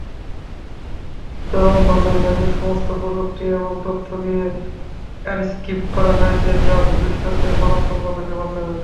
চরণ-বন্ধনীটাকে সমস্ত প্রযুক্তি এবং তথ্য দিয়ে এনক্রিপ্ট করা হয়েছে যা ভবিষ্যতে মানবসভ্যতাকে বাঁচাবে।